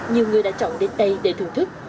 nhiều người đã chọn đến đây để thưởng thức